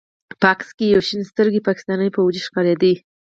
په عکس کښې يو شين سترګى پاکستاني فوجي ښکارېده.